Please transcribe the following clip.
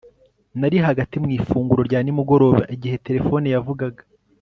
Nari hagati mu ifunguro rya nimugoroba igihe terefone yavugaga